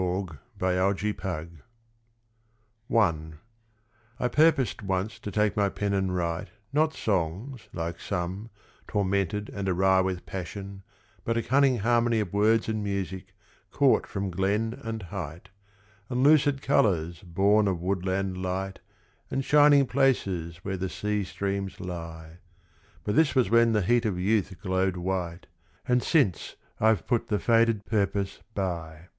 Prefatory Sonnets I I purposed once to take my pen and write, Not songs, like some, tormented and awry With passion, but a cunning harmony Of words and music caught from glen and height, And lucid colours born of woodland light And shining places where the sea streams lie. But this was when the heat of youth glowed white, And since I've put the faded purpose by.